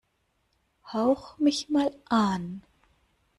Hauch mich mal an!